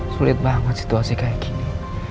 sulit banget situasi kayak gini